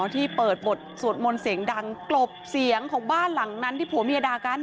ที่เปิดบทสวดมนต์เสียงดังกลบเสียงของบ้านหลังนั้นที่ผัวเมียด่ากัน